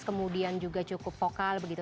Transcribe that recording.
kemudian juga cukup vokal begitu